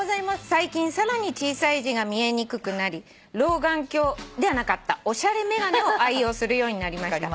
最近さらに小さい字が見えにくくなり老眼鏡ではなかったおしゃれ眼鏡を愛用するようになりました」